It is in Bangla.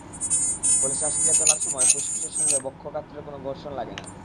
ফলে শ্বাসক্রিয়া চলার সময় ফুসফুসের সঙ্গে বক্ষগাত্রের কোনো ঘর্ষণ লাগে না।